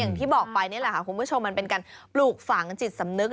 อย่างที่บอกไปนี่แหละค่ะคุณผู้ชมมันเป็นการปลูกฝังจิตสำนึก